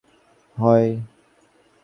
আজ মঙ্গলবার ময়নাতদন্ত সম্পন্ন হয়।